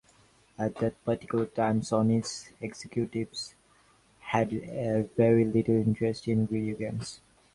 At that particular time, Sony's executives had very little interest in video games.